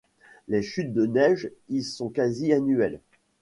Les chutes de neige y sont quasi-annuelles.